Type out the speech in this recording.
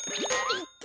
いった！